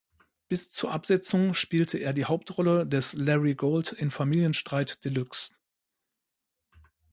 Bis zur Absetzung spielte er die Hauptrolle des Larry Gold in Familienstreit de Luxe.